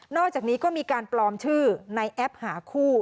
อกจากนี้ก็มีการปลอมชื่อในแอปหาคู่